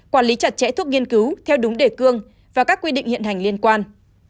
quản lý chặt chẽ thuốc nghiên cứu theo đúng đề cương và các quy định hiện hành liên quan